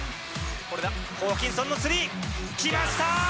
ホーキンソンのスリー、きました！